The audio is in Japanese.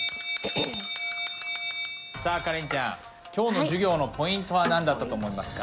さあカレンちゃん今日の授業のポイントは何だったと思いますか？